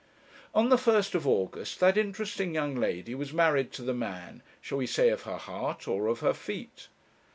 On the first of August that interesting young lady was married to the man shall we say of her heart or of her feet?